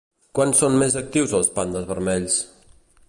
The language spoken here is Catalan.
Quan són més actius els pandes vermells?